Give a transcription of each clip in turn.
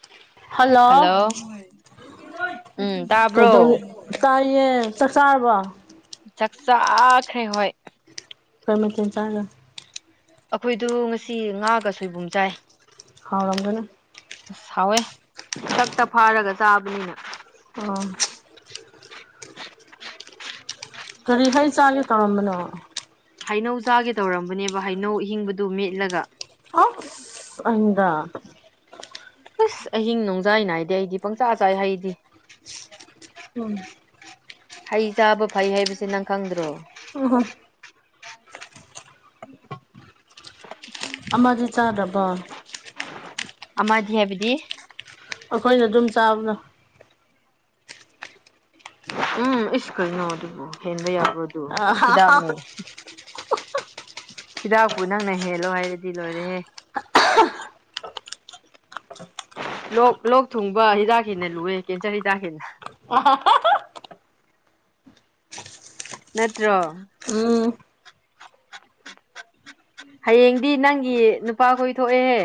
[unintelligible] hello ꯎꯝ ꯀꯩꯗꯧ ꯇꯥꯕ꯭ꯔꯣ ꯀꯥꯏꯦ ꯇꯁꯥꯔꯔꯕ ꯆꯥꯛ ꯆꯥꯈ꯭ꯔꯦ ꯍꯣꯏ ꯐꯔꯃꯦꯁꯟ ꯆꯥꯒ ꯑꯩꯈꯣꯏꯗꯨ ꯉꯁꯤ ꯉꯥꯒ ꯁꯣꯏꯕꯨꯝ ꯆꯥꯏ ꯍꯥꯎ ꯔꯝꯗꯅꯦ ꯑꯁ ꯍꯥꯎꯋꯦ ꯀꯛꯇ ꯐꯥꯔꯒ ꯆꯥꯕꯅꯤꯅ ꯑꯣ ꯀꯔꯤ ꯍꯥꯏꯩ ꯆꯥꯒꯦ ꯇꯧꯔꯝꯕꯅꯣo ꯍꯩꯅꯧ ꯆꯥꯒꯦ ꯇꯧꯔꯝꯕꯅꯦꯕ ꯍꯩꯅꯧ ꯑꯍꯤꯡꯕꯗꯨ ꯃꯦꯠꯂꯒ ꯑꯪꯒꯥ ꯑꯁ ꯑꯍꯤꯡ ꯣꯡꯖꯥꯏ ꯅꯥꯏꯗꯤ ꯑꯩꯗꯤ ꯄꯪꯆꯥ ꯑ ꯆꯥꯏ ꯍꯩꯗꯤ ꯎꯝ ꯍꯩ ꯆꯥꯕ ꯐꯩ ꯍꯥꯏꯕꯁꯦ ꯅꯪ ꯈꯪꯗ꯭ꯔꯣ ꯎꯝꯍꯨꯝ ꯑꯃꯗꯤ ꯆꯥꯗꯔꯕ ꯑꯃꯥꯗꯤꯌꯥꯕꯤꯗꯤ ꯑꯩꯈꯣꯏꯅ ꯑꯗꯨꯝ ꯆꯥꯕꯗ ꯎꯝ ꯑꯩꯁ ꯀꯩꯅꯣ ꯑꯗꯨꯕꯨ ꯍꯦꯟꯕ ꯌꯥꯕꯗꯨ ꯍꯤꯗꯥꯛꯅꯦ ꯍꯤꯗꯥꯛꯄꯨ ꯅꯪꯅ ꯍꯦꯜꯂꯣ ꯍꯥꯏꯔꯗꯤ ꯂꯣꯏꯔꯦꯍꯦ ꯂꯣꯛ ꯂꯣꯛ ꯊꯨꯡꯕ ꯍꯤꯗꯥꯛꯁꯤꯦꯟꯅ ꯂꯨꯑꯦ ꯀꯦꯟꯁꯔ ꯍꯤꯗꯥꯛꯁꯤꯦꯟꯅ [unintelligible] ꯅꯠꯇ꯭ꯔꯣ ꯎꯝ ꯍꯌꯦꯡꯗꯤ ꯅꯪꯒꯤ ꯅꯨꯄꯥꯈꯣꯏ ꯊꯣꯛꯑꯦꯍꯦ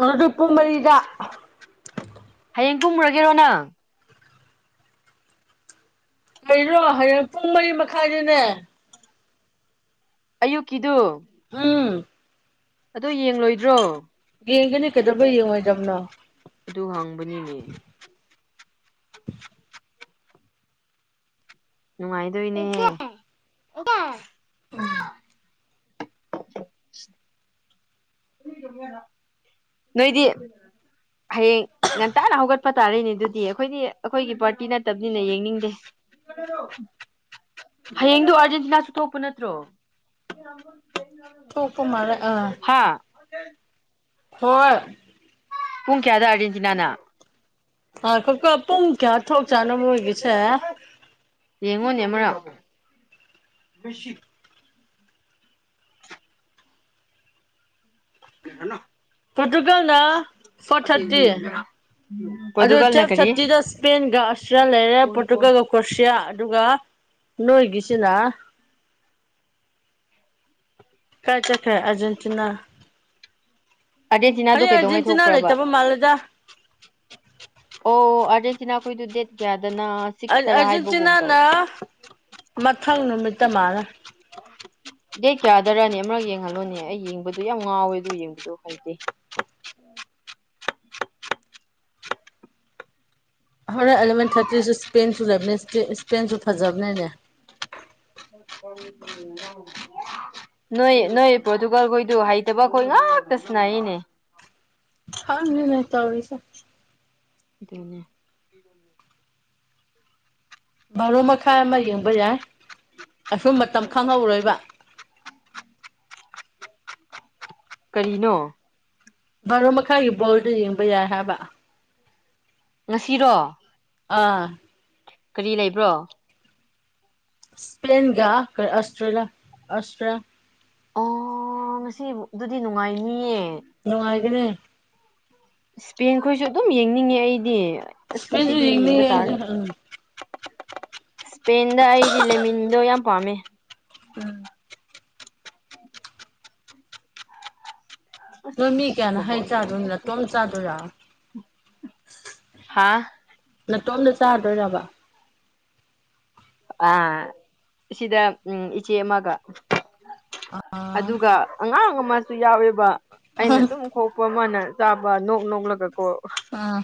ꯑꯣ ꯇ ꯏꯄꯨꯝꯕꯔꯤꯔ ꯍꯌꯦꯡ ꯀꯨꯝꯃꯨꯔꯒꯦꯔꯣ ꯅꯪ ꯂꯩꯔꯣ ꯍꯌꯦꯡ ꯄꯨꯡ ꯃꯔꯤ ꯃꯈꯥꯏꯗꯨꯅꯦ ꯑꯌꯨ ꯀꯗꯨ ꯎꯝ ꯑꯗꯣ ꯌꯦꯡꯂꯣꯏꯗ꯭ꯔꯣ ꯌꯦꯡꯒꯦꯅꯤ ꯀꯩꯗꯕꯩ ꯌꯦꯡꯉ ꯍꯥꯏꯗꯝꯅꯣ ꯑꯗꯨ ꯍꯪꯕꯅꯤꯅꯦ ꯅꯨꯡꯉꯥꯏꯗꯣꯏꯅꯦꯍꯦ [unintelligible] ꯅꯣꯏꯗꯤ ꯍꯌꯦꯡ ꯉꯟꯇꯥꯅ ꯍꯧꯒꯠꯄ ꯇꯥꯔꯛꯅꯦ ꯑꯗꯨꯗꯤ ꯑꯩꯈꯣꯏꯗꯤ ꯑꯩꯈꯣꯏꯒꯤ ꯄꯥꯔꯇꯤ ꯅꯠꯇꯕꯅꯤꯅ ꯌꯦꯡꯅꯤꯡꯗꯦ ꯍꯌꯦꯡꯗꯨꯣ ꯑꯥꯔꯖꯦꯟꯇꯤꯅꯥꯁꯨ ꯊꯣꯛꯣꯛꯄ ꯅꯠꯇ꯭ꯔꯣ ꯊꯣꯛꯄ ꯃꯥꯜꯂꯦ ꯑꯥ ꯍꯥꯥ ꯍꯣꯏ ꯄꯨꯡ ꯀꯦꯌꯥꯗꯣ ꯑꯗꯁꯤꯅꯥꯅ ꯑꯥ ꯀꯀ ꯄꯨꯡ ꯀꯌꯥ ꯊꯣꯛ ꯆꯥꯅ ꯃꯣꯏꯒꯤꯁꯦ ꯃꯨꯡꯅꯦꯃꯔ ꯅꯣ ꯐꯣꯇꯨꯒꯜꯅ ꯐꯣꯔ ꯊꯔꯇꯤ ꯑꯗꯨꯣ ꯄꯣꯔꯇꯨꯒꯜꯅ ꯇ꯭ꯋ ꯀꯔꯤ ꯊꯥꯔꯇꯤꯗ ꯁꯄꯦꯟ ꯑꯗꯨꯒ ꯑꯁꯇ꯭ꯔꯤꯌꯥ ꯂꯩꯔꯦ ꯄꯣꯔꯇꯨꯒꯜꯒ ꯀ꯭ꯔꯣꯁꯤꯌꯥ ꯑꯗꯨꯒ ꯅꯣꯏꯒꯤꯁꯤꯅ ꯀꯥꯏ ꯇ ꯀꯥꯏ ꯑꯔꯖꯦꯟꯇꯤꯅꯥ ꯑꯥꯔꯖꯦꯟꯇꯤꯅꯥꯗꯣ ꯀꯩꯗꯧꯉꯩ ꯊꯣꯛꯄ꯭ꯔꯕ ꯂꯩꯇꯕ ꯃꯥꯜꯂꯦꯗ ꯑꯣ ꯑꯥꯔꯖꯦꯟ ꯅꯥ ꯀꯣꯏ ꯗꯨꯙꯦꯠ ꯀꯌꯥ ꯑꯔꯖꯦꯟꯇꯤꯅꯥꯅ ꯃꯊꯪ ꯅꯨꯃꯤꯠꯇ ꯃꯥꯂꯦ [inaudible] ꯗꯦ ꯀꯌꯥꯗꯔꯅꯤ ꯑꯃꯛ ꯌꯦꯡꯍꯜꯂꯣꯅꯦ ꯑꯩ ꯌꯦꯡꯕꯗꯨ ꯌꯥꯝ ꯉꯥꯎꯋꯦ ꯑꯗꯨ ꯌꯦꯡꯕꯗꯣ ꯐꯩꯇꯦ ꯎꯝ ꯍꯣꯔꯦꯟ ꯑꯦꯂꯚꯦꯟ ꯊꯥꯔꯇꯤꯁꯨ ꯏꯁꯄꯦꯟꯁꯨ ꯂꯩꯕꯅꯦ ꯏꯁꯄꯦꯟꯁꯨ ꯐꯖꯕꯅꯦꯅꯦ ꯅꯣꯏ ꯅꯣꯏ ꯄ꯭ꯔꯇꯨꯒꯜ ꯀꯣꯏꯗꯨ ꯍꯥꯏꯥꯏ ꯇꯕ ꯀꯣꯏꯅ ꯛꯇ ꯁꯅꯥꯏꯅꯦ ꯈꯔꯅꯤ ꯅ ꯇꯁ ꯑꯗꯨꯅꯦ ꯕꯥꯥꯔꯨ ꯃꯈꯥꯏ ꯑꯃ ꯌꯦꯡꯕ ꯌꯥꯏ ꯑꯁꯨꯝ ꯃꯇꯝ ꯈꯪꯍꯧꯔꯣꯏꯕ ꯀꯔꯤꯅꯣ ꯕꯥꯔꯣ ꯃꯈꯥꯒꯤ ꯕꯣꯜꯗ ꯌꯦꯡꯕ ꯌꯥꯏ ꯍꯥꯏꯕ ꯉꯁꯤꯔꯣ ꯑꯥ ꯀꯔꯤ ꯂꯩꯕ꯭ꯔꯣ ꯏꯁꯄꯦꯦꯟꯒ ꯑꯁꯇ꯭ꯔꯦꯂꯤꯌꯥ ꯑꯁꯇ꯭ꯔꯦꯂꯤꯌꯥ ꯑꯣ ꯉꯁꯤ ꯑꯗꯨꯗꯤ ꯅꯨꯡꯉꯥꯏꯅꯤꯌꯦ ꯅꯨꯡꯉꯥꯏꯒꯅꯦ ꯏꯁꯄꯦꯟꯈꯣꯏꯁꯨ ꯑꯗꯨꯝ ꯌꯦꯡꯅꯤꯡꯉꯦ ꯑꯩꯗꯤ ꯑꯁ ꯏꯁꯄꯦꯟꯁꯨ ꯉꯁꯤꯗꯤ ꯌꯦꯡꯕ ꯌꯦꯡꯅꯤꯡꯉꯦ ꯇꯥꯔꯦ ꯑꯩꯁꯨ ꯎꯝ ꯏꯁꯄꯦꯟꯗ ꯑꯩꯗꯤ ꯂꯦꯃꯤꯟꯗꯣ ꯌꯥꯝ ꯄꯥꯝꯃꯦ ꯎꯝ ꯅꯣꯏ ꯃꯤ ꯑꯁ ꯀꯌꯥꯅ ꯍꯩ ꯃꯕꯣꯛꯅ ꯌꯥꯝ ꯆꯥꯗꯣꯏꯅꯤ ꯂꯇꯣꯝ ꯆꯥꯗꯣꯏꯔ ꯍꯥꯥ ꯏꯇꯣꯝꯗ ꯆꯥꯗꯣꯏꯔꯕ ꯑ ꯁꯤꯗ ꯎꯝ ꯏꯆꯦ ꯑꯃꯒ ꯑꯥ ꯑꯗꯨꯒ ꯑꯉꯥꯡ ꯑꯃꯁꯨ ꯌꯥꯎꯋꯦꯕ ꯑꯩꯅ ꯑꯗꯨꯝ ꯈꯣꯛꯄ ꯑꯃꯅ ꯆꯥꯕ ꯅꯣꯛ ꯅꯣꯛꯂꯒꯀꯣ ꯑꯥ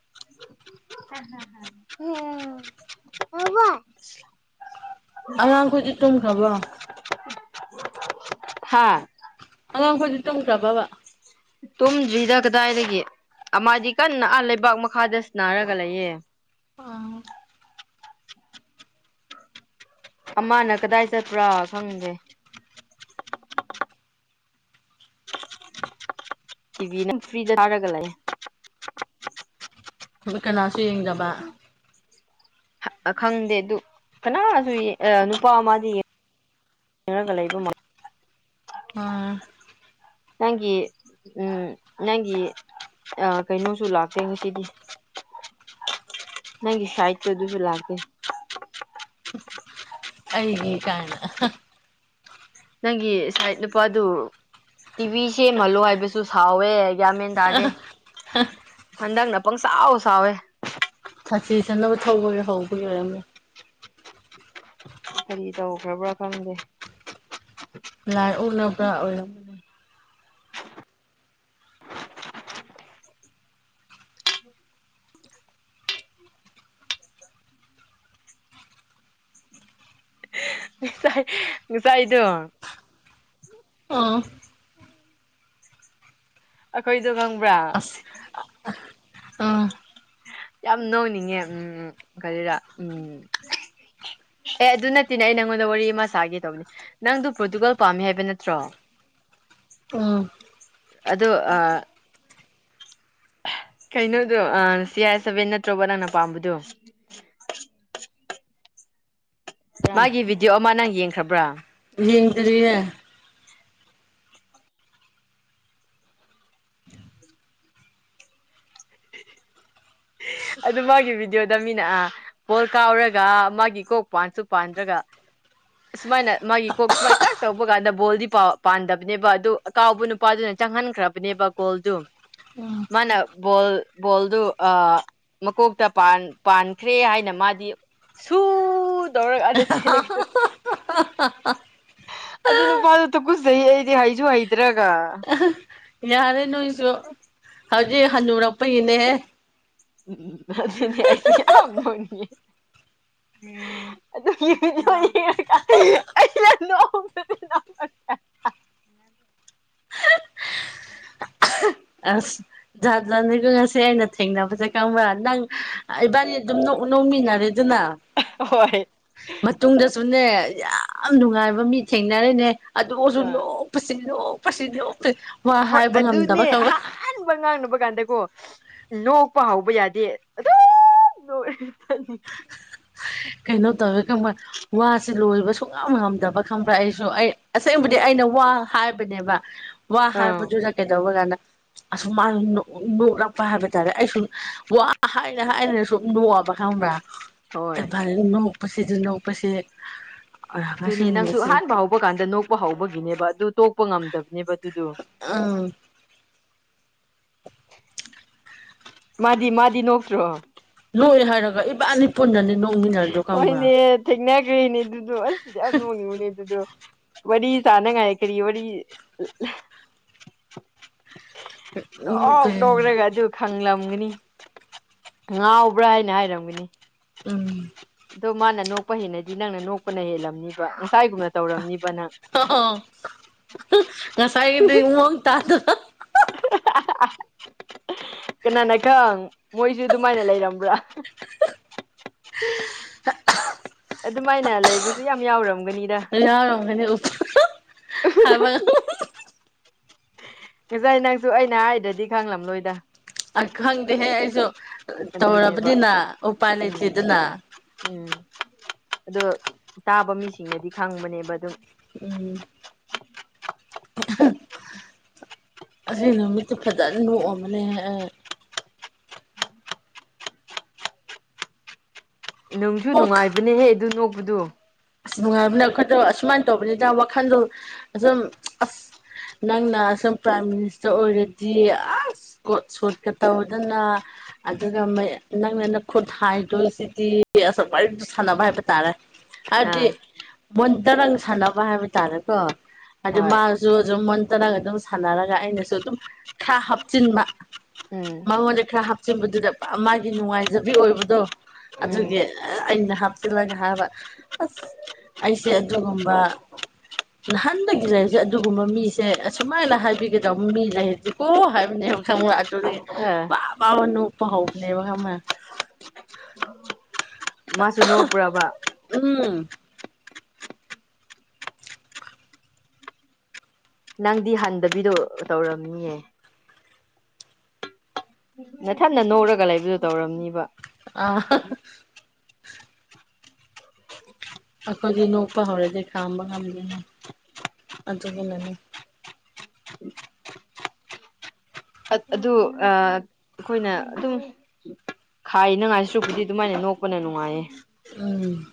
[unintelligible] [unintelligible] ꯍ ꯋꯥ ꯑꯉꯥꯡꯈꯗꯤ ꯇꯨꯝꯈ꯭ꯔꯕꯣ ꯊꯥ ꯑꯉꯥꯡꯈꯣꯏ ꯆ ꯇꯝ ꯀ꯭ꯔꯕꯕꯥ ꯇꯨꯝꯗ꯭ꯔꯤ ꯍꯤꯗꯥꯛ ꯀꯗꯥꯏꯗꯒꯤꯦ ꯃꯥꯗꯤ ꯀꯟꯅ ꯑꯥ ꯂꯩꯕꯥꯛ ꯃꯈꯥꯗꯁꯨ ꯅꯥꯔꯒ ꯂꯩꯌꯦꯦ ꯑ ꯑꯃꯅ ꯀꯗꯥꯏ ꯆꯠꯄ꯭ꯔꯥ ꯈꯪꯒꯦ ꯏ ꯅꯪ ꯐ꯭ꯔꯔꯤꯖ ꯍꯥꯏꯒꯂꯑ ꯀꯅꯥꯁꯨ ꯌꯦꯡꯗꯕ ꯈꯪꯗꯦ ꯑꯗꯨ ꯀꯅꯥꯁꯨ ꯅꯨꯄꯥ ꯑꯃꯗꯤꯗꯤ ꯀ ꯂꯩꯕ ꯑ ꯅꯪꯒꯤ ꯎꯝ ꯅꯪꯒꯤ ꯑ ꯀꯩꯅꯣꯁꯨ ꯂꯥꯛꯁꯦ ꯍꯧꯖꯤꯛꯇꯗꯤ ꯅꯒꯤ ꯁꯥꯏꯗ ꯑꯗꯨꯁꯨ ꯂꯥꯛꯒꯦ ꯑꯩꯒꯤꯦ ꯀꯅ ꯅꯪꯒꯤ ꯁꯠ ꯅꯨꯄꯥꯗꯨ ꯇꯤꯚꯤ ꯁꯦꯝꯍꯜꯂꯣ ꯍꯥꯏꯕꯁꯨ ꯁꯥꯎꯋꯦ ꯌꯥꯝꯃꯦꯟ ꯇꯥꯗꯦ ꯍꯟꯗꯛꯅ ꯄꯪ ꯁꯥꯎ ꯁꯋꯦ ꯊꯥꯁꯤ ꯆꯅꯕ ꯊꯧꯕꯒꯤ ꯍꯧꯕꯒꯤ ꯑꯣꯏꯔꯝꯃꯦ ꯀꯔꯤ ꯇꯧꯈ꯭ꯔꯕ꯭ꯔꯥ ꯈꯪꯗꯦ ꯂꯥꯏ ꯎꯅꯕ꯭ꯔꯥ ꯑꯣꯏꯔꯝꯃꯅꯦ ꯃꯤ ꯃꯤꯁꯥꯏꯗꯣ ꯑꯥ ꯑꯩꯈꯣꯏꯗꯪ ꯑꯁ ꯑ ꯌꯥꯝ ꯅꯧꯅꯤꯡꯉꯦ ꯎꯝ ꯎ ꯀꯔꯤꯔ ꯎꯝ ꯑꯦ ꯑꯗꯨ ꯅꯠꯇꯦꯅꯦ ꯑꯩ ꯅꯪꯉꯣꯟꯗ ꯋꯥꯔꯤ ꯑꯃ ꯁꯥꯒꯦ ꯇꯧꯕꯅꯦ ꯅꯪꯗ ꯄ꯭ꯔꯣꯇꯨꯒꯜ ꯄꯥꯝꯃꯤ ꯍꯥꯏꯕ ꯅꯠꯇ꯭ꯔꯣ [unintelligible] ꯑꯗ ꯑ ꯀꯩꯅꯣꯗꯣ ꯁꯤ ꯑꯥꯏ ꯁꯚꯦꯟ ꯅꯠꯇ꯭ꯔꯣꯕ ꯅꯪꯅ ꯄꯥꯝꯕꯗꯣ ꯎ ꯃꯥꯒꯤ ꯚꯤꯗꯤꯑꯣ ꯑꯃ ꯅꯪ ꯌꯦꯡꯈ꯭ꯔꯕ꯭ꯔꯥ ꯍꯗꯔꯤꯦ ꯑꯗꯨ ꯃꯥꯒꯤ ꯚꯤꯗꯤꯑꯣꯗ ꯃꯤꯅ ꯣꯜ ꯀꯥꯎꯔꯒ ꯃꯥꯒꯤ ꯀꯣꯛ ꯄꯥꯟꯁꯨ ꯄꯥꯟꯗ꯭ꯔꯒ ꯑꯨꯃꯥꯏꯅ ꯃꯥꯒꯤ ꯀꯣꯛ ꯁꯨꯃꯥꯏ ꯇꯥꯛ ꯇꯧꯕ ꯀꯥꯟꯗ ꯕꯣꯜꯗꯤ ꯄꯥꯟꯗꯕꯅꯦꯕ ꯑꯗꯨ ꯀꯥꯎꯕ ꯅꯨꯄꯥꯗꯨꯅ ꯆꯪꯍꯟꯈ꯭ꯔꯕꯅꯦꯕ ꯒꯣꯜꯗꯨ ꯃꯥꯅ ꯕꯣꯜ ꯕꯣꯜꯗꯨ ꯑ ꯃꯀꯣꯛꯇ ꯄꯥꯟꯈ꯭ꯔꯦ ꯍꯥꯏꯅ ꯃꯥꯗꯤ ꯁꯨ ꯗꯧꯔ ꯑꯗꯂꯒꯗ ꯑꯗꯨ ꯅꯨꯄꯥꯗꯨ ꯇꯨ ꯀꯨꯖꯩ ꯑꯩꯗꯤ ꯍꯩꯁꯨ ꯍꯩꯗ꯭ꯔꯒ ꯌꯥꯔꯦ ꯅꯁꯨ ꯍꯧꯖꯤ ꯍꯅꯨꯔꯄꯩꯅꯦ ꯎꯝꯅꯤꯁꯤ ꯑꯗꯨ ꯍ ꯏꯗꯤ ꯑꯁ ꯖꯥꯠꯗ꯭ꯔꯅꯤꯒ ꯉꯁꯦ ꯑꯩꯅ ꯊꯦꯡꯅꯕꯁꯦ ꯈꯪꯕ꯭ꯔꯥ ꯅꯪ ꯏꯕꯥꯅꯤ ꯑꯗꯨꯝ ꯅꯃꯤꯟꯅꯔꯦꯗꯨꯅ ꯍꯣꯏ ꯃꯇꯨꯡꯗ ꯗꯨꯅꯦ ꯌꯥꯝ ꯅꯨꯡꯉꯥꯏꯕ ꯃꯤ ꯊꯦꯡꯅꯔꯤꯅꯦ ꯑꯗꯨꯁꯨ ꯅꯣꯛꯄꯁꯤ ꯅꯣꯛꯄꯁꯤ ꯅꯣꯛꯄꯁꯤ ꯋꯥ ꯍꯣꯏ ꯍꯥꯏꯕ ꯑꯗꯨꯅꯦ ꯉꯝꯗꯕ ꯈꯪꯕ ꯑꯍꯥꯟꯕ ꯉꯥꯡꯅꯕ ꯀꯥꯟꯗꯀꯣ ꯅꯣꯛꯄ ꯍꯧꯕ ꯌꯥꯗꯦ ꯑꯗꯨꯝ ꯅꯣꯛꯑꯦ ꯀꯩꯅꯣ ꯇꯧꯋꯦ ꯈꯪꯕ꯭ꯔꯥ ꯋꯥꯁꯦ ꯂꯣꯏꯕ ꯁꯨꯡꯉꯝ ꯉꯝꯗꯕ ꯈꯪꯕ꯭ꯔꯥ ꯑꯩꯁꯨ ꯑꯩ ꯑꯁꯦꯡꯕ ꯑꯩꯅ ꯋꯥ ꯍꯥꯏꯕꯅꯦꯕ ꯋꯥ ꯑꯥ ꯍꯥꯏꯕꯗꯨꯗ ꯀꯩꯗꯧꯕ ꯀꯥꯟꯗ ꯑꯁ ꯃꯥꯁꯨ ꯅꯣꯛ ꯅꯣꯛꯂꯛꯄ ꯍꯥꯏꯕ ꯇꯥꯔꯦ ꯑꯩꯁꯨ ꯋꯥ ꯍꯥꯏꯅ ꯍꯥꯏꯅ ꯁꯨꯝ ꯅꯣꯛꯑꯕ ꯈꯪꯕ꯭ꯔ ꯍꯣꯏ ꯅꯣꯛꯄꯁꯤꯗꯨ ꯅꯣꯛꯄꯁꯤ ꯉꯁꯤ ꯑꯗꯨꯅꯦ ꯅꯪꯁꯨ ꯅꯨꯃꯤꯠꯁꯦ ꯑꯍꯥꯟꯕ ꯍꯧꯕ ꯀꯥꯟꯗ ꯅꯣꯛꯄ ꯍꯧꯕꯒꯤꯅꯦꯕ ꯑꯗꯨ ꯇꯣꯛꯄ ꯉꯝꯗꯕꯅꯦꯕ ꯑꯗꯨꯗꯣ ꯎꯝ ꯃꯥꯗꯤ ꯃꯥꯗꯤ ꯅꯣꯛꯇ꯭ꯔꯣ ꯅꯣꯛꯑꯦ ꯍꯥꯏꯔꯒ ꯏꯕꯥꯅꯤ ꯄꯨꯟꯅꯅꯤ ꯅꯣꯛ ꯍꯣꯏꯅꯦ ꯊꯦꯡꯅꯈ꯭ꯔꯦꯅꯦ ꯑꯗꯨꯗꯣ ꯑꯁ ꯌꯥꯝ ꯅꯣꯡꯉꯤꯡꯕꯅꯦ ꯑꯗꯨꯗꯣ ꯋꯦꯔꯤ ꯁꯥꯅꯤꯡꯉꯥꯏ ꯀꯔꯤ ꯋꯥꯔꯤ ꯅꯣꯛꯄ ꯅꯣꯛ ꯅꯣꯛꯔꯒ ꯑꯗꯨꯒ ꯐꯪꯂꯝꯒꯅꯤ ꯉꯥꯎꯕ꯭ꯔꯥ ꯍꯥꯏꯅ ꯍꯥꯏꯔꯝꯒꯅꯤ ꯎꯝ ꯑꯗꯣ ꯃꯥꯅ ꯅꯣꯛꯄ ꯍꯦꯟꯅꯗꯤ ꯅꯪꯅ ꯅꯣꯛꯄꯅ ꯍꯦꯜꯂꯝꯅꯤꯕ ꯍꯥꯏꯒꯨꯝꯅ ꯇꯧꯔꯝꯅꯤꯕ ꯅꯪ ꯎꯝ ꯉꯁꯥꯏꯒꯤꯗꯨ ꯃꯑꯣꯡ ꯇꯥꯗꯅ ꯍꯥꯍꯥꯍꯥ ꯀꯅꯥꯅ ꯈꯪ ꯃꯣꯏꯁꯨ ꯑꯗꯨꯃꯥꯏꯅ ꯂꯩꯔꯝꯕ꯭ꯔꯥ [unintelligible] ꯑꯗꯨꯃꯥꯏꯅ ꯂꯩꯕꯁꯨ ꯌꯥꯝ ꯌꯥꯎꯔꯝ [unintelligible] ꯉꯁꯥꯏ ꯅꯪꯁꯨ ꯑꯩꯅ ꯍꯥꯏꯗ꯭ꯔꯗꯤ ꯈꯪꯂꯝꯂꯣꯏꯗ ꯑ ꯈꯪꯗꯦꯍꯦ ꯑꯩꯁꯨ ꯑꯗꯨꯅꯦꯕ ꯇꯧꯔꯕꯅꯤꯅ ꯎꯄꯥꯏ ꯎꯝ ꯂꯩꯇꯦꯗꯅ ꯎꯝ ꯑꯗꯣ ꯇꯥꯕ ꯃꯤꯁꯤꯡꯅꯗꯤ ꯈꯪꯕꯅꯦꯕ ꯑꯗꯨꯝ ꯎꯝ ꯑꯁꯤ ꯅꯨꯃꯤꯠꯇꯤ ꯐꯖꯟ ꯅꯣꯛꯑꯝꯃꯅꯤꯍꯦ ꯑꯩ ꯅꯨꯡꯁꯨ ꯄꯣꯛ ꯅꯨꯡꯉꯥꯏꯕꯅꯦꯍꯦ ꯑꯗꯨ ꯅꯣꯛꯄꯗꯨ ꯑꯁ ꯅꯨꯡꯉꯥꯏꯕꯅ ꯑꯈꯣꯏꯗꯣ ꯑꯁꯨꯃꯥꯏꯅ ꯇꯧꯕꯅꯤꯗ ꯋꯥꯈꯜꯗꯣ ꯑꯁꯨꯝ ꯑꯁ ꯅꯪꯅ ꯑꯁꯨꯝ ꯄ꯭ꯔꯥꯏꯝ ꯃꯤꯅꯤꯁꯇꯔ ꯑꯣꯏꯔꯗꯤ ꯑꯁ ꯀꯣꯠ ꯁꯨꯠꯀ ꯇꯧꯗꯅ ꯑꯗꯨꯒ ꯅꯪꯅ ꯅꯈꯨꯠ ꯍꯥꯏꯗꯣꯏꯁꯤꯗꯤ ꯑꯁꯨꯛ ꯋꯥꯔꯤ ꯁꯥꯟꯅꯕ ꯍꯥꯏꯕ ꯇꯥꯔꯦ ꯍꯥꯏꯗꯤ ꯑꯥ ꯃꯣꯟꯇꯔꯪ ꯁꯥꯟꯅꯕ ꯍꯥꯏꯕ ꯇꯥꯔꯦꯀꯣ ꯑꯗꯨ ꯍꯣꯏ ꯃꯥꯁꯨ ꯑꯗꯨꯝ ꯃꯣꯟꯇꯔꯪ ꯑꯗꯨꯝ ꯁꯥꯟꯅꯔꯒ ꯑꯩꯅꯁꯨ ꯑꯗꯨꯝ ꯈꯥ ꯍꯥꯞꯆꯤꯟꯕ ꯎꯝ ꯃꯉꯣꯟꯗ ꯈꯔ ꯍꯥꯞꯆꯤꯟꯕꯗꯨꯗ ꯃꯥꯒꯤ ꯅꯨꯡꯉꯥꯏꯖꯕꯤ ꯑꯣꯏꯕꯗꯣ ꯎꯝ ꯑꯗꯨꯒꯤ ꯑꯩꯅ ꯍꯥꯞꯆꯤꯜꯂꯒ ꯍꯥꯏꯕ ꯑꯁ ꯑꯩꯁꯦ ꯑꯗꯨꯒꯨꯝꯕ ꯅꯍꯥꯟꯗꯒꯤ ꯂꯩꯔꯤꯁꯦ ꯑꯗꯨꯒꯨꯝꯕ ꯃꯤꯁꯦ ꯑꯁꯨꯃꯥꯏꯅ ꯍꯥꯏꯕꯤꯒꯗꯧꯕ ꯃꯤ ꯂꯩꯔꯗꯤꯀꯣ ꯍꯥꯏꯕꯅꯦ ꯈꯪꯕ ꯑꯗꯨꯗꯒꯤ ꯑꯥ ꯋꯥ ꯋꯥ ꯋꯥ ꯅꯣꯛꯄ ꯍꯧꯈ꯭ꯔꯦꯕ ꯈꯪꯕ꯭ꯔꯥ [unintelligible] ꯃꯥꯁꯨ ꯅꯣꯛꯄ꯭ꯔꯕ ꯍꯨꯝ ꯅꯪꯗꯤ ꯍꯟꯗꯕꯤꯗꯣ ꯇꯧꯔꯝꯅꯤꯌꯦ ꯅꯊꯟꯅ ꯅꯣꯛꯔꯒ ꯂꯩꯕꯗꯨ ꯇꯧꯔꯝꯅꯤꯕ ꯑꯥ ꯑꯈꯣꯏꯗꯤ ꯅꯣꯛꯄ ꯍꯧꯔꯗꯤ ꯈꯥꯝꯕ ꯉꯝꯗꯦꯅ ꯑꯗꯨꯒꯤꯅꯅꯦ ꯑꯗꯨ ꯑ ꯑꯈꯣꯏꯅ ꯑꯗꯨꯝ ꯈꯥꯏꯅ ꯉꯥꯏꯁꯨ ꯍꯨꯖꯤꯛ ꯑꯗꯨꯃꯥꯏꯅ ꯅꯣ ꯅꯣꯛꯄꯅ ꯅꯨꯡꯉꯥꯏꯌꯦ ꯎꯝ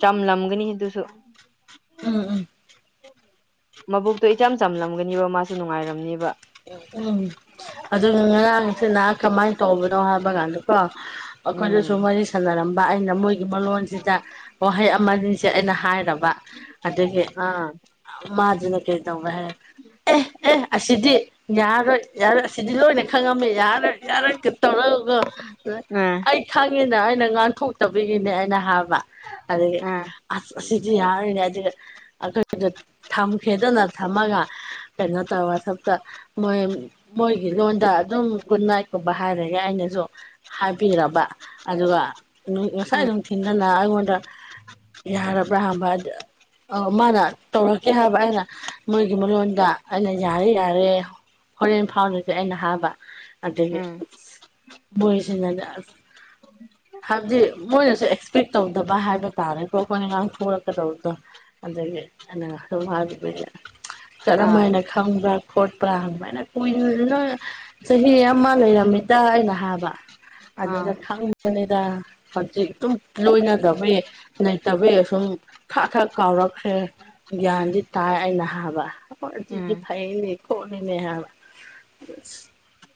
ꯆꯝꯂꯝꯒꯅꯤ ꯑꯗꯨꯁꯨ ꯎꯝ ꯎꯝ ꯃꯕꯨꯛꯇꯣ ꯏꯆꯝ ꯆꯝꯂꯝꯒꯅꯦꯕ ꯃꯥꯁꯨ ꯅꯨꯡꯉꯥꯏꯔꯝꯅꯦꯕ ꯎꯝ ꯑꯗꯨ ꯉꯔꯥꯡꯁꯤꯅꯍ ꯀꯃꯥꯏꯅ ꯇꯧꯕꯅꯣ ꯍꯥꯏꯕ ꯀꯥꯟꯗꯀꯣ ꯎꯝ ꯑꯩꯈꯣꯏꯗꯁꯨ ꯋꯥꯔꯤ ꯁꯥꯟꯅꯔꯝꯕ ꯑꯩꯅ ꯃꯣꯏꯒꯤ ꯃꯣꯟꯁꯤꯗ ꯋꯥꯍꯩ ꯑꯃꯅꯤꯁꯦ ꯑꯩꯅ ꯍꯥꯏꯔꯕ ꯑꯗꯒꯤ ꯑꯥ ꯃꯥꯗꯨꯅ ꯀꯩ ꯇꯧꯕꯦ ꯍꯥꯏꯔ ꯑꯦ ꯑꯦ ꯑꯁꯤꯗꯤ ꯌꯥꯔꯣꯏ ꯌꯥꯔꯣꯏ ꯁꯤꯗꯤ ꯂꯣꯏꯅ ꯈꯪꯉꯝꯃꯦ ꯌꯥꯔꯣꯏ ꯌꯥꯔꯒ ꯇꯧꯔꯒo ꯎꯝ ꯑꯩ ꯈꯪꯉꯤꯅ ꯑꯩꯅ ꯉꯥꯡꯊꯣꯛꯇꯕꯒꯤꯅꯦ ꯑꯩꯅ ꯍꯥꯕ ꯑꯗꯒꯤ ꯎꯝ ꯑꯁ ꯑꯁꯤꯗꯤ ꯌꯥꯔꯤꯅꯦ ꯑꯗꯨꯈꯗ ꯊꯝ ꯈꯦꯗꯅ ꯊꯝꯃꯒ ꯀꯩꯅꯣ ꯩꯅ ꯇꯥꯋꯥ ꯁꯇ ꯃꯣꯏ ꯃꯣꯏꯒꯤꯉꯣꯟꯗ ꯑꯗꯨꯝ ꯒꯨꯗ ꯅꯥꯏꯠꯀꯨꯝꯕ ꯍꯥꯏꯔꯒꯦ ꯑꯩꯅꯁꯨ ꯍꯥꯏꯕꯤꯔꯕ ꯑꯗꯨꯒ ꯉꯁꯥꯏ ꯎꯝ ꯑꯗꯨꯝ ꯊꯤꯟꯗꯅ ꯑꯩꯉꯣꯟꯗ ꯌꯥꯔ ꯑꯐ꯭ꯔꯕꯥꯗ ꯑ ꯃꯥꯅ ꯇꯧꯔꯛꯀꯦ ꯍꯥꯏꯕ ꯑꯩꯅ ꯃꯣꯏꯒꯤ ꯃꯔꯣꯟꯗ ꯑꯩꯅ ꯌꯥꯔꯦ ꯌꯥꯔꯦ ꯍꯣꯔꯦꯟ ꯐꯥꯎꯅꯖꯦ ꯑꯩꯅ ꯍꯥꯏꯕ ꯑꯗꯒꯤ ꯎꯝ [unintelligible] ꯍꯥꯏꯕꯗꯤ ꯃꯣꯏꯅꯁꯨ ꯑꯦꯛꯁꯄꯦꯛ ꯇꯧꯗꯕ ꯍꯥꯏꯕ ꯇꯥꯔꯦꯀꯣ ꯑꯩꯈꯣꯏꯅꯥ ꯉꯥꯡꯊꯣꯔꯛꯀꯗꯕꯗꯣ ꯑꯗꯒꯤ ꯑꯩꯅ ꯍꯥꯏꯗ ꯀꯔꯝ ꯑꯥ ꯍꯥꯏꯅ ꯈꯪꯕ꯭ꯔꯥ ꯈꯣꯠꯄ꯭ꯔꯥ ꯁꯨꯃꯥꯏꯅ ꯀꯨꯏꯅ ꯁꯨꯝ ꯆꯍꯤ ꯑꯃ ꯂꯩꯔꯝꯃꯤꯗ ꯑꯩꯅ ꯍꯥꯏꯕ ꯑꯥ ꯑꯗꯨꯗ ꯈꯪꯕꯅꯤꯗ ꯍꯧꯖꯤꯛ ꯑꯗꯨꯝ ꯂꯣꯏꯅꯗꯕ ꯂꯩꯇꯕꯩ ꯑꯁꯨꯝ ꯊꯛ ꯊꯛ ꯀꯥꯎꯔꯛꯈ꯭ꯔꯦ ꯒ꯭ꯌꯥꯟꯗꯤ ꯇꯥꯏ ꯑꯩꯅ ꯍꯥꯏꯕ ꯍꯣꯏ ꯑꯗꯨꯗꯤ ꯎꯝ ꯐꯩꯅꯦ ꯈꯣꯠꯂꯤꯅꯦ ꯍꯥꯏꯕ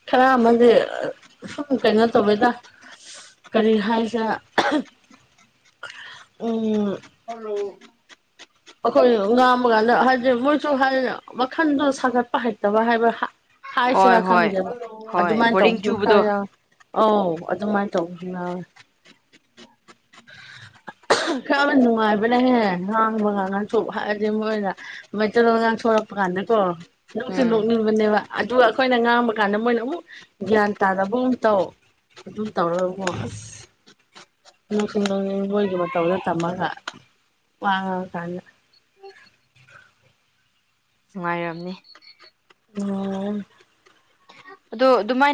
ꯈꯔ ꯑꯃꯗꯤ ꯁꯨꯝ ꯀꯩꯅꯣ ꯇꯧꯋꯦꯗ ꯀꯔꯤ ꯍꯥꯏꯁꯦꯔ ꯎꯝ ꯑꯩꯈꯣꯏ ꯉꯥꯃ ꯀꯥꯟꯗ ꯍꯥꯏꯗꯤ ꯃꯣꯏꯁꯨ ꯍꯥꯏ ꯃꯈꯟꯗꯣ ꯁꯥꯒꯠꯄ ꯍꯩꯇꯕ ꯍꯥꯏꯕ ꯍꯣꯏ ꯍꯥꯏꯁꯤꯔꯥ ꯍꯣꯏ ꯈꯪꯗꯦꯕ ꯍꯣꯏ ꯑꯗꯨꯃꯥꯏꯅ ꯕꯣꯔꯤꯡ ꯇꯧꯕꯗꯨ ꯈ꯭ꯔ ꯆꯨꯕꯗꯣ ꯌꯥ ꯑꯧ ꯑꯗꯨꯃꯥꯏꯅ ꯇꯧꯕꯪꯦ ꯈꯔ ꯅꯨꯡꯉꯥꯏꯕꯅꯦꯍꯦ ꯍꯥꯡꯕꯉꯥꯡ ꯣꯛ ꯍꯥꯏꯔꯗꯤ ꯃꯣꯏꯅ ꯃꯩꯇꯩꯂꯣꯟꯉꯥꯡ ꯁꯣꯛꯛꯄ ꯀꯥꯟꯗꯀꯣ ꯂꯣꯛꯁꯤ ꯎꯝ ꯂꯣꯛꯅꯤꯡꯕꯅꯦꯕ ꯑꯗꯨꯒ ꯑꯩꯈꯣꯏꯅ ꯉꯥꯡꯕ ꯀꯥꯟꯗ ꯃꯣꯏꯅ ꯑꯃꯨꯛ ꯒ꯭ꯌꯥꯟ ꯇꯥꯅꯕ ꯑꯃꯨ ꯇꯧ ꯑꯗꯨꯝ ꯇꯧꯔꯀꯣ ꯑꯁ ꯅꯨꯡꯁꯤꯡ ꯅꯨꯡꯕꯣꯏꯒꯤ ꯃꯇꯧꯗ ꯇꯝꯃꯒ ꯋꯥꯡꯉꯀꯥꯟꯗ ꯅꯨꯡꯉꯥꯏꯔꯝꯅꯤ ꯑꯣꯝ ꯑꯗꯨ ꯑꯗꯨꯃꯥꯏꯅ